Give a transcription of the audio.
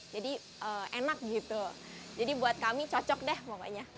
jadi enak gitu jadi buat kami cocok deh pokoknya